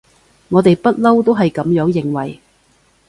我哋不溜都係噉樣認為